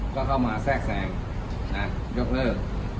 ก็เข้ามาแทรกแทรงยกเลิก